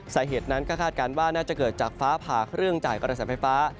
สาเหตุนั้นก็คาดการณ์ว่าน่าจะเกิดจากฟ้าผ่าเครื่องจ่ายกระแสไฟฟ้า